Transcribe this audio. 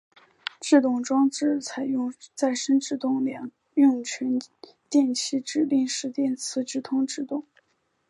制动装置采用再生制动两用全电气指令式电磁直通制动。